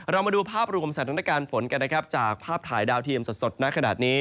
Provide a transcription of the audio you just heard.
เรามาดูภาพรุนความสะดวกการฝนกันจากภาพถ่ายดาวทีมสดณขนาดนี้